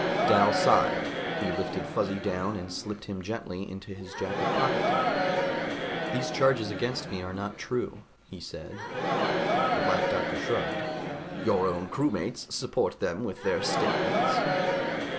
Dal sighed. He lifted Fuzzy down and slipped him gently into his jacket pocket. "These charges against me are not true," he said. The Black Doctor shrugged. "Your own crewmates support them with their statements."